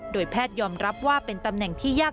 แพทยอมรับว่าเป็นตำแหน่งที่ยาก